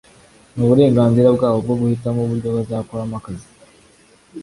N’uburenganzira bwabo bwo guhitamo uburyo bazakoramo akazi